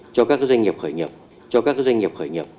cho các doanh nghiệp khởi nghiệp